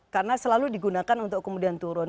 karena selalu digunakan untuk kemudian turun